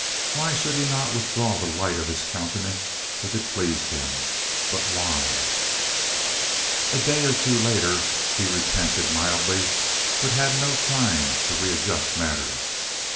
Why should he not withdraw the light of his countenance if it pleased him. But why— A day or two later he repented mildly, but had no time to readjust matters.